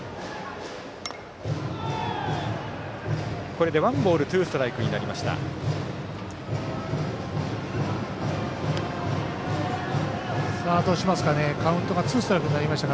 これでワンボールツーストライクになりました。